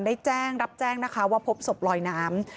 ได้แจ้งรับแจ้งนะคะว่าพบศพลอยน้ำ